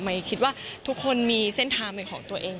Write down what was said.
ไม่คิดว่าทุกคนมีเส้นทางของตัวเอง